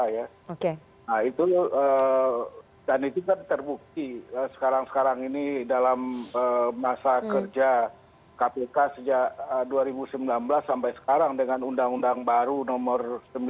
nah itu dan itu kan terbukti sekarang sekarang ini dalam masa kerja kpk sejak dua ribu sembilan belas sampai sekarang dengan undang undang baru nomor sembilan puluh